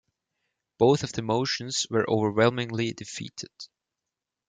Both of the motions were overwhelmingly defeated.